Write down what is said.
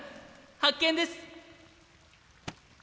発見です！